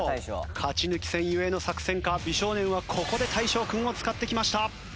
勝ち抜き戦ゆえの作戦か美少年はここで大昇君を使ってきました。